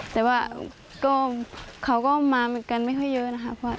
แต่ว่าเขาก็มาเหมือนกันไม่ค่อยเยอะนะคะ